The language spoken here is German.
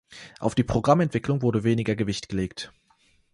Auf die Programmentwicklung wurde weniger Gewicht gelegt.